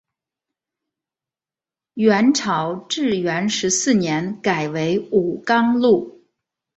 元朝至元十四年改为武冈路。